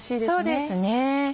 そうですね。